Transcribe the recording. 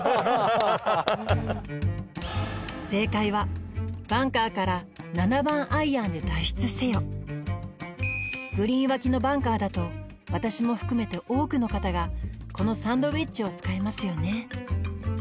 正解はバンカーから７番アイアンで脱出せよグリーン脇のバンカーだと私も含めて多くの方がこのサンドウェッジを使いますよね？